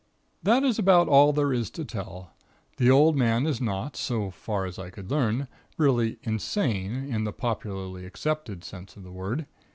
"That is about all there is to tell. The old man is not (so far as I could learn), really insane in the popularly accepted sense of the word.